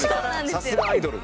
さすがアイドル。